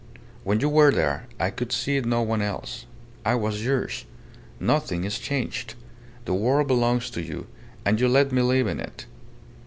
When you were there, I could see no one else. I was yours. Nothing is changed. The world belongs to you, and you let me live in it."